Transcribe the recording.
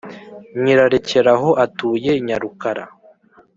Nyirarekeraho utuye Nyarukara